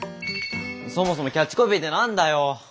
そもそもキャッチコピーって何だよ！？